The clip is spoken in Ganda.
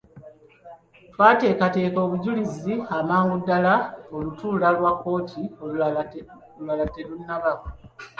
Twateekateeka obujulizi amangu ddala ng'olutuula lwa kkooti olulala terunnaba.